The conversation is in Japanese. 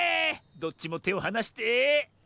どっちもてをはなして。